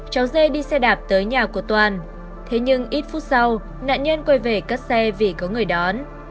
nạn nhân đã đạp tới nhà của toàn thế nhưng ít phút sau nạn nhân quay về cắt xe vì có người đón